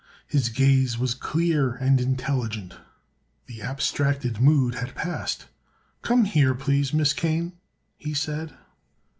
His gaze was clear and intelligent; the abstracted mood had passed. "Come here, please, Miss Kane," he said.